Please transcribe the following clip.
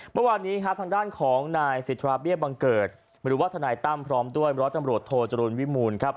เพราะวันนี้ทางด้านของนายสิทธาเบียบังเกิดหรือวัฒนาตั้มพร้อมด้วยรอดตำรวจโทจรุณวิมูล